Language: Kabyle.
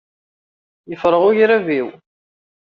Yefreɣ ugrab-iw.